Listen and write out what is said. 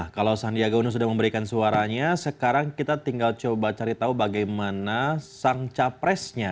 kalau sandiaga uno sudah memberikan suaranya sekarang kita tinggal coba cari tahu bagaimana sang capresnya